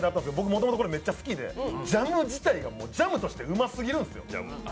もともこれめっちゃ好きでジャム自体ジャムとしてうますぎるんです。